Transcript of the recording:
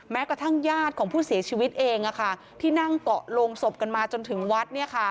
แม้กระทั่งญาติของผู้เสียชีวิตเองที่นั่งเกาะโรงศพกันมาจนถึงวัด